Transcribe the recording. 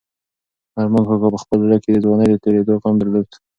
ارمان کاکا په خپل زړه کې د ځوانۍ د تېرېدو غم درلود.